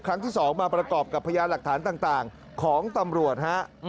ครั้งที่๒มาประกอบกับพยานหลักฐานต่างของตำรวจฮะ